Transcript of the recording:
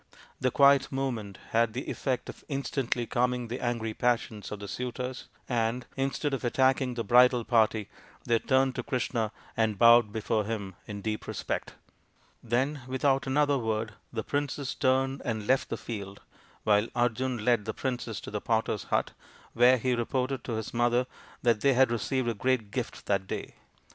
The quiet movement had the effect of instantly calming the angry passions of the suitors, and, instead of attacking the bridal party, they turned to Krishna and bowed before him in deep respect. Then, without another word, the princes turned and left the field, while Arjun led the princess to the potter's hut, where he reported to his mother that they had received a great gift that day.